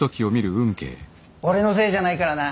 俺のせいじゃないからな。